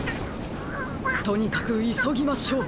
とにかくいそぎましょう！